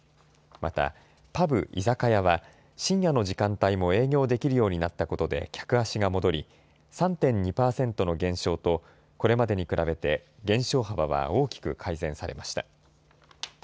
またパブ・居酒屋は深夜の時間帯も営業できるようになったことで客足が戻り３．２％の減少とこれまでに比べて減少幅は大きく改善されました。